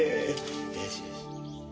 よしよし。